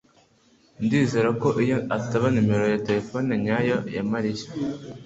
Ndizera ko iyo atari nimero ya terefone nyayo ya Mariya.